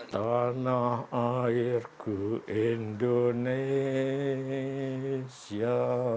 tanah airku indonesia